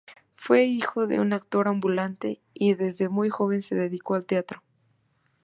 Fue hijo de un actor ambulante, y desde muy joven se dedicó al teatro.